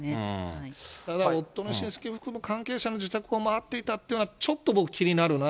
ただ、夫の親戚、関係者の自宅を回っていたっていうのは、ちょっと僕、気になるな。